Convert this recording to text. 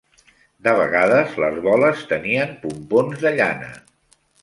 De vegades les boles tenien pompons de llana.